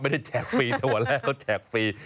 แจกฟรีแต่วันแรกเขาแจกฟรี